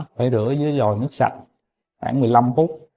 phải rửa dưới dòi nước sạch khoảng một mươi năm phút